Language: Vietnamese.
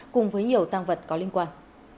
cùng với nhiều tang vật có liên quan